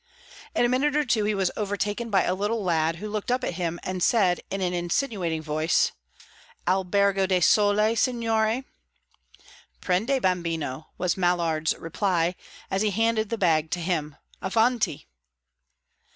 In a minute or two he was overtaken by a little lad, who looked up at him and said in an insinuating voice, "Albergo del Sole, signore?" "Prendi, bambino," was Mallard's reply, as he handed the bag to him. "Avanti!"